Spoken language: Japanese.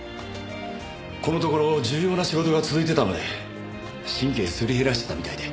このところ重要な仕事が続いてたので神経すり減らしてたみたいで。